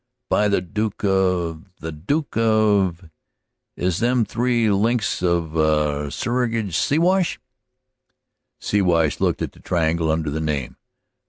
"By the Duke of the Duke of is them three links of saursage, Siwash?" Siwash looked at the triangle under the name.